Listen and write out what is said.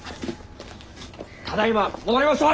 ただいま戻りました！